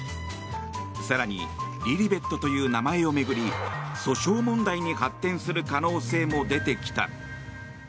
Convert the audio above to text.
更にリリベットという名前を巡り訴訟問題に発展する可能性も出てきた。